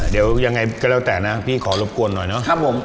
เดี๋ยวยังไงก็แล้วแต่นะพี่ขอรบกวนหน่อยเนาะ